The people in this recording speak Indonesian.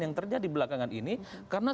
yang terjadi belakangan ini karena